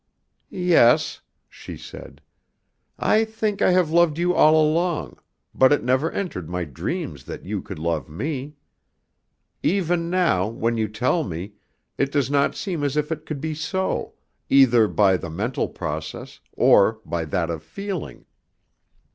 "Yes," she said, "I think I have loved you all along, but it never entered my dreams that you could love me. Even now, when you tell me, it does not seem as if it could be so, either by the mental process, or by that of feeling."